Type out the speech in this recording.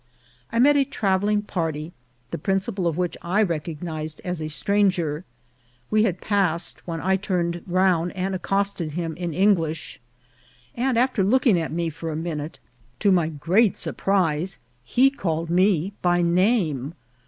I met a travelling par ty, the principal of which I recognised as a stranger. We had passed, when I turned round and accosted him in English ; and after looking at me for a minute, to 16 INCIDENTS OF TRAVEL. my great surprise he called me by name.